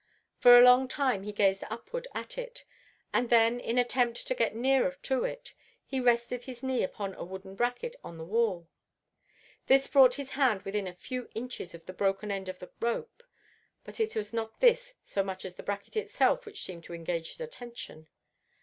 For a long time he gazed upward at it, and then in an attempt to get nearer to it he rested his knee upon a wooden bracket on the wall. This brought his hand within a few inches of the broken end of the rope, but it was not this so much as the bracket itself which seemed to engage his attention.